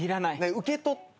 受け取ってよ。